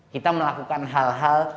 kita melakukan hal hal